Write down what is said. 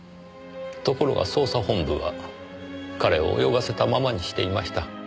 ところが捜査本部は彼を泳がせたままにしていました。